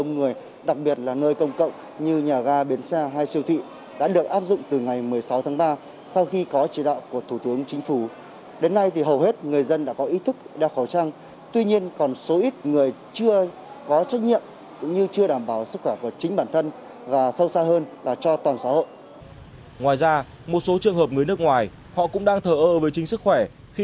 ngoài ra một số trường hợp người nước ngoài họ cũng đang thờ ơ với chính sức khỏe khi